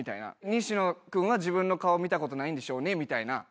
「西野君は自分の顔見たことないんでしょうね」